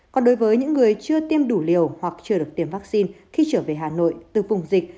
còn đối với những người chưa tiêm đủ liều hoặc chưa được tiêm vaccine khi trở về hà nội từ vùng dịch